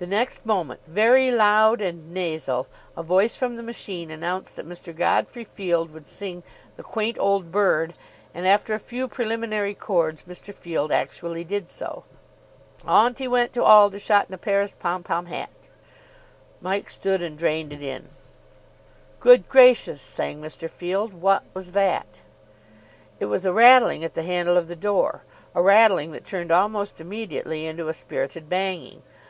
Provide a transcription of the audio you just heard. The next moment, very loud and nasal, a voice from the machine announced that Mr. Godfrey Field would sing "The Quaint Old Bird." And, after a few preliminary chords, Mr. Field actually did so. "Auntie went to Aldershot in a Paris pom pom hat." Mike stood and drained it in. "... Good gracious (sang Mr. Field), what was that?" It was a rattling at the handle of the door. A rattling that turned almost immediately into a spirited banging.